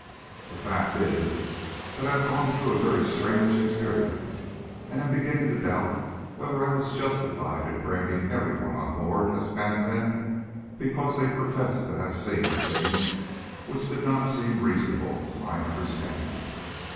The fact is, that I have gone through a very strange experience, and am beginning to doubt whether I was justified in branding every one on board as madmen because they professed to have seen things which did not seem reasonable to my understanding.